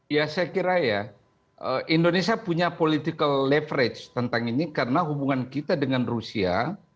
ya saya kira ya indonesia punya political leverage tentang ini karena hubungan kita dengan rusia